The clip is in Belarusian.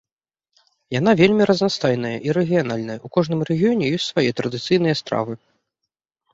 Яна вельмі разнастайная і рэгіянальная, у кожным рэгіёне ёсць свае традыцыйныя стравы.